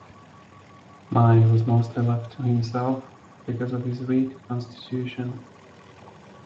Mind was mostly left to himself because of his weak constitution.